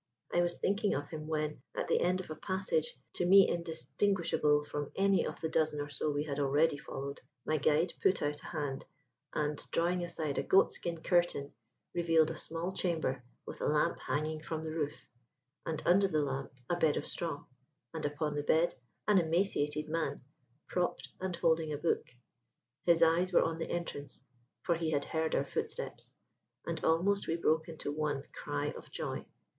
I was thinking of him when, at the end of a passage to me indistinguishable from any of the dozen or so we had already followed, my guide put out a hand, and, drawing aside a goatskin curtain, revealed a small chamber with a lamp hanging from the roof, and under the lamp a bed of straw, and upon the bed an emaciated man, propped and holding a book. His eyes were on the entrance; for he had heard our footsteps. And almost we broke into one cry of joy.